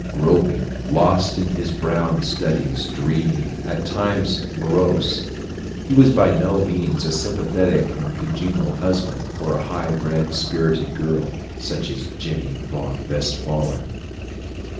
Groping, lost in brown studies, dreamy, at times morose, he was by no means a sympathetic and congenial husband for a high bred, spirited girl, such as Jenny von Westphalen.